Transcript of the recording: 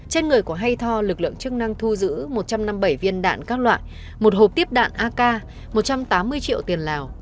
trên người của hay tho lực lượng chức năng thu giữ một trăm năm mươi bảy viên đạn các loại một hộp tiếp đạn ak một trăm tám mươi triệu tiền lào